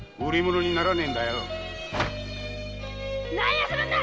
何をするんだ！